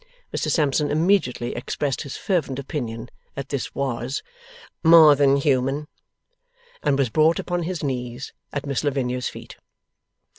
Mr Sampson immediately expressed his fervent Opinion that this was 'more than human', and was brought upon his knees at Miss Lavinia's feet.